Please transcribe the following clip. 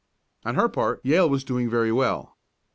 On her part Yale was doing very well.